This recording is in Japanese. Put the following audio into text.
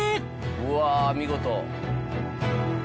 うわぁ見事。